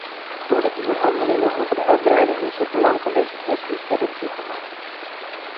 Door de onderhandelingen over de uitbreiding is het belang van deze kwestie verder toegenomen.